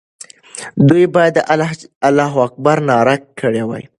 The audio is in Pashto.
دوی باید د الله اکبر ناره کړې وای.